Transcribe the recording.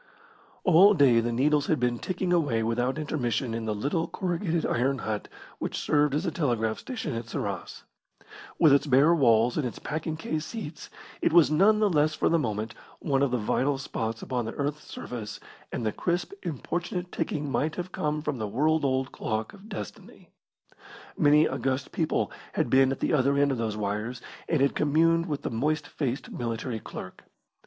All day the needles had been ticking away without intermission in the little corrugated iron hut which served as a telegraph station at Sarras. With its bare walls and its packing case seats, it was none the less for the moment one of the vital spots upon the earth's surface, and the crisp, importunate ticking might have come from the world old clock of Destiny. Many august people had been at the other end of those wires, and had communed with the moist faced military clerk.